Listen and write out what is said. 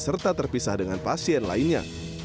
serta terpisah dengan pasien lainnya